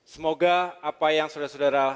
semoga apa yang saudara saudara